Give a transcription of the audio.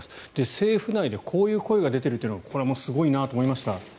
政府内でこういう声が出ているというのはこれはすごいなと思いました。